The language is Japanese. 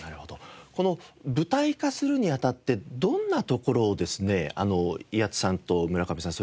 この舞台化するに当たってどんなところをですね八津さんと村上さん